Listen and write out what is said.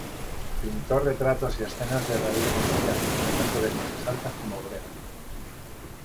Pintó retratos y escenas de realismo social, tanto de clases altas como obrera.